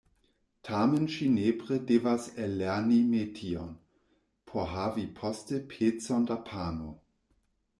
Tamen ŝi nepre devas ellerni metion, por havi poste pecon da pano.